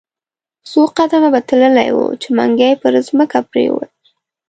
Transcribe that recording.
څو قدمه به تللی وو، چې منګی پر مځکه پریووت.